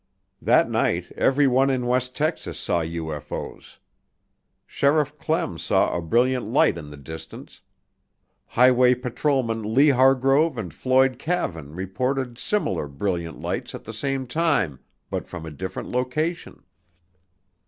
That night everyone in West Texas saw UFO's. Sheriff Clem saw a brilliant light in the distance. Highway patrolmen Lee Hargrove and Floyd Cavin reported similar brilliant lights at the same time but from a different location.